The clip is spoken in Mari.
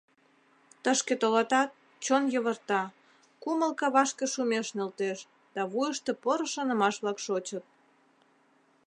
Тышке толатат, чон йывырта, кумыл кавашке шумеш нӧлтеш да вуйышто поро шонымаш-влак шочыт.